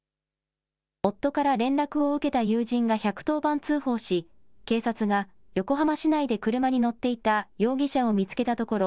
夫から連絡を受けた友人が１１０番通報し警察が横浜市内で車に乗っていた容疑者を見つけたところ